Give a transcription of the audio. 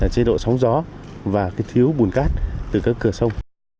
chế độ sóng gió và thiếu bùn cát từ các cửa sông